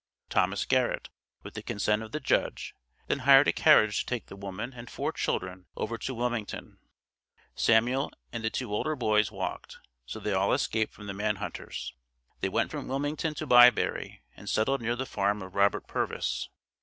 Thomas Garrett, with the consent of the judge, then hired a carriage to take the woman and four children over to Wilmington, Samuel and the two older boys walked, so they all escaped from the man hunters. They went from Wilmington to Byberry, and settled near the farm of Robert Purvis.